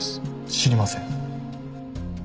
知りません。